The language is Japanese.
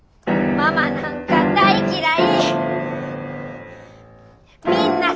ママなんか大嫌い！